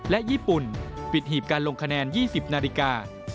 และญี่ปุ่นปิดหีบการลงคะแนน๒๐นาฬิกา